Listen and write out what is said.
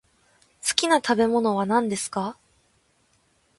好きな食べ物は何ですか。